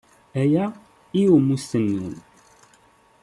Aya i ummesten-nwen.